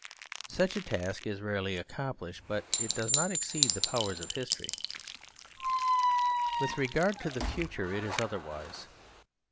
Such a task is rarely accomplished, but it does not exceed the powers of history. With regard to the future it is otherwise.